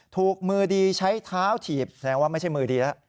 ถูกมือดีใช้เท้าถีบแสดงว่าไม่ใช่มือดีแล้ว